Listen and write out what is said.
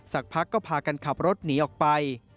สักพักก็พากันขับรถหนีออกไป